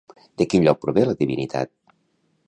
De quin lloc prové la divinitat?